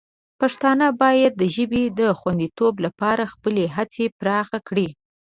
پښتانه باید د ژبې د خوندیتوب لپاره خپلې هڅې پراخې کړي.